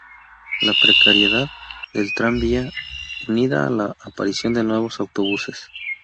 La precariedad del tranvía, unida a la aparición de nuevos autobuses.